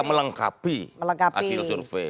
melengkapi hasil survei